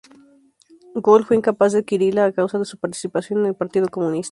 Gould fue incapaz de adquirirla a causa de su participación en el Partido Comunista.